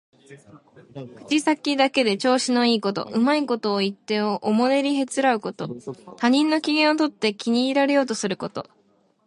口先だけで調子のいいこと、うまいことを言っておもねりへつらうこと。他人の機嫌をとって気に入られようとすること。